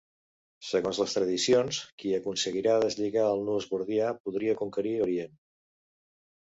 Segons les tradicions, qui aconseguira deslligar el nus gordià podria conquerir Orient.